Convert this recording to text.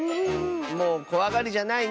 もうこわがりじゃないね。